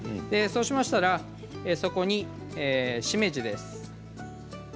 そうしましたら、そこにしめじです。